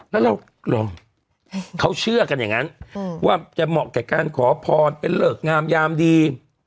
แล้วเราเขาเชื่อกันอย่างนั้นว่าจะเหมาะแก่การขอพรเป็นเลิกงามยามดี